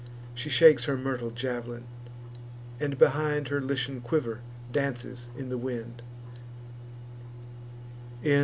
She shakes her myrtle jav'lin; and, behind, Her Lycian quiver dances in the wind.